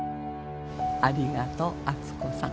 ありがとう篤子さん